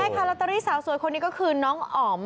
ใช่ค่ะลอตเตอรี่สาวสวยคนนี้ก็คือน้องอ๋อม